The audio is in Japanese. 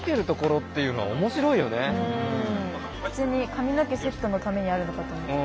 普通に髪の毛セットのためにあるのかと思ってた。